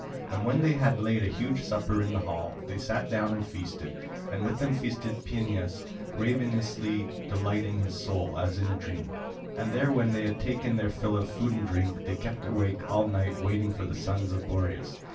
And when they had laid a huge supper in the hall, they sat down and feasted, and with them feasted Phineus ravenously, delighting his soul, as in a dream. And there, when they had taken their fill of food and drink, they kept awake all night waiting for the sons of Boreas.